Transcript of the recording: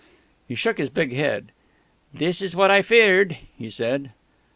"_ He shook his big head. "This is what I feared," he said.